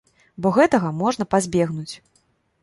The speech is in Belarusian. Бо гэтага можна пазбегнуць.